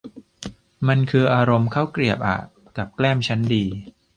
มันคืออารมณ์ข้าวเกรียบอะ กับแกล้มชั้นดี